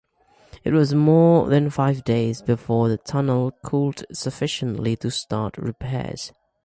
It was more than five days before the tunnel cooled sufficiently to start repairs.